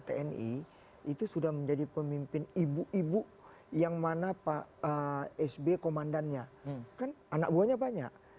tni itu sudah menjadi pemimpin ibu ibu yang mana pak sby komandannya kan anak buahnya banyak